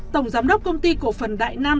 tổng giám đốc công ty cổ phần đại nam